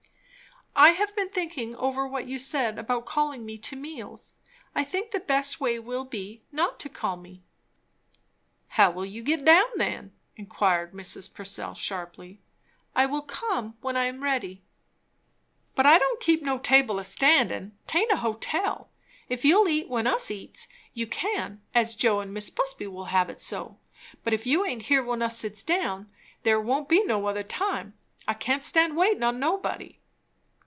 "I have been thinking over what you said about calling me to meals. I think the best way will be, not to call me." "How'll you get down then?" inquired Mrs. Purcell sharply. "I will come when I am ready." "But I don't keep no table a standin'. 'Taint a hotel. If you'll eat when us eats, you can, as Joe and Mis' Busby will have it so; but if you aint here when us sits down, there won't be no other time. I can't stand waitin' on nobody."